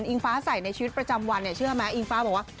ฟ้าใส่ในชีวิตประจำวันเนี่ยเชื่อไหมอิงฟ้าบอกว่า